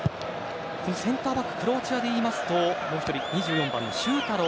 センターバッククロアチアでいいますともう１人、２４番のシュータロ。